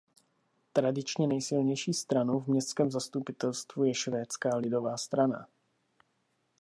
Tradičně nejsilnější stranou v městském zastupitelstvu je Švédská lidová strana.